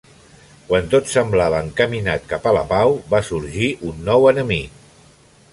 Quan tot semblava encaminat cap a la pau va sorgir un nou enemic.